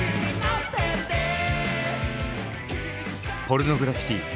ポルノグラフィティ。